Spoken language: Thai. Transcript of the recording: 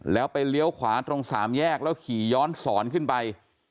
แล้วไปเลี้ยวขวาตรงสามแยกแล้วขี่ย้อนสอนขึ้นไป